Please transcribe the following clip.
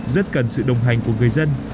rất cần sự đồng hành của người dân